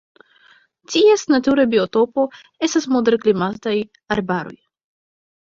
Ties natura biotopo estas moderklimataj arbaroj.